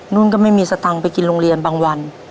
นุ่นก็ไม่มีสตังค์ไปกินโรงเรียนบางวัน